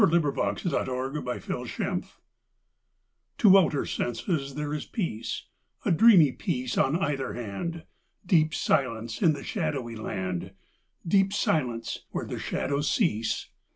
fi4S] II LA FUITE DE LA LUNE TO outer senses there is peace, A dreamy peace on either hand, Deep silence in the shadowy land, Deep silence where the shadows cease.